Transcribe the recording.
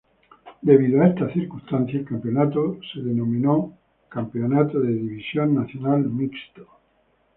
Debido a esta circunstancia, el campeonato fue denominado como Campeonato de División Nacional Mixto.